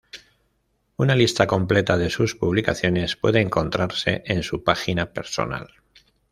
Una lista completa de sus publicaciones puede encontrarse en su página personal.